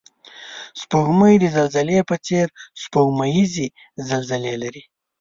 سپوږمۍ د زلزلې په څېر سپوږمیزې زلزلې لري